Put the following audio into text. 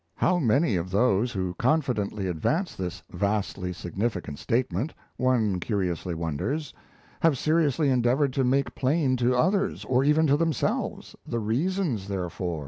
How many of those who confidently advance this vastly significant statement, one curiously wonders, have seriously endeavoured to make plain to others or even to themselves the reasons therefor?